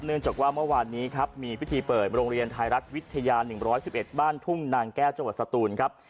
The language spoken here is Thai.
จากว่าเมื่อวานนี้ครับมีพิธีเปิดโรงเรียนไทยรัฐวิทยา๑๑๑บ้านทุ่งนางแก้วจังหวัดสตูนครับ